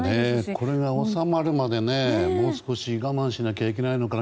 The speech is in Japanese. これが収まるまでもう少し我慢しないといけないのかな。